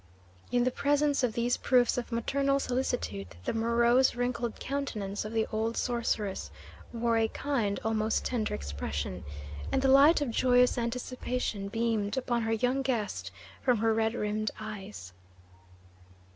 In the presence of these proofs of maternal solicitude the morose, wrinkled countenance of the old sorceress wore a kind, almost tender expression, and the light of joyous anticipation beamed upon her young guest from her red rimmed eyes.